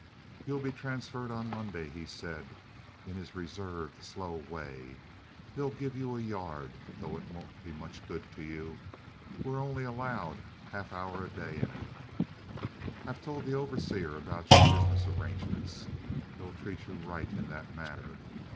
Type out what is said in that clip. "You'll be transferred on Monday," he said, in his reserved, slow way. "They'll give you a yard, though it won't be much good to you—we only allow a half hour a day in it. I've told the overseer about your business arrangements. He'll treat you right in that matter.